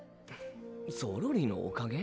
ゾロリのおかげ？